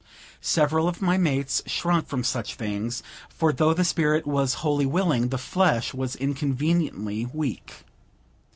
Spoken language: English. Several of my mates shrunk from such things; for though the spirit was wholly willing, the flesh was inconveniently weak.